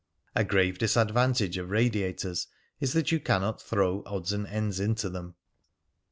(A grave disadvantage of radiators is that you cannot throw odds and ends into them.)